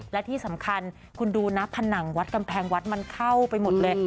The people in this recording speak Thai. และที่สำคัญคุณดูนะผนังวัดกำแพงวัดมันเข้าไปหมดเลย